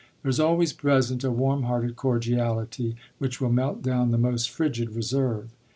There is always present a warm hearted cordiality which will melt down the most frigid reserve.